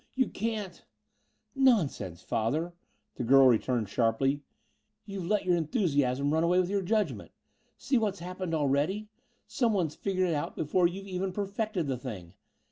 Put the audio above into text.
You can't " "Nonsense, Father," the girl returned sharply. "You've let your enthusiasm run away with your judgment. See what's happened already? someone's figured it out before you've even perfected the thing.